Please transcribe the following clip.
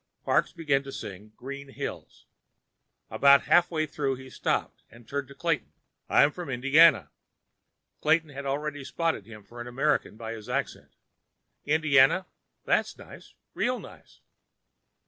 Parks began to sing Green Hills. About halfway through, he stopped and turned to Clayton. "I'm from Indiana." Clayton had already spotted him as an American by his accent. "Indiana? That's nice. Real nice."